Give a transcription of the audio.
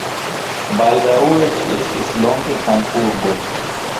Baldaŭe ĝi estis longe kampurbo.